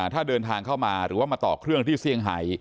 ถ้าเดินทางเข้ามาหรือว่ามาต่อเครื่องที่เซี่ยงไฮ